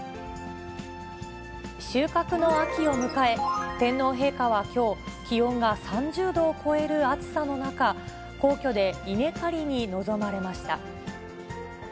収穫の秋を迎え、天皇陛下はきょう、気温が３０度を超える暑さの中、皇居で稲刈りに臨まれました。